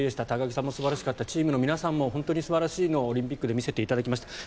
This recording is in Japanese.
高木さんも素晴らしかったチームの皆さんも本当に素晴らしいものをオリンピックで見せていただきました。